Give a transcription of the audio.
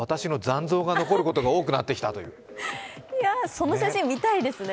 その写真ちょっと見たいですね。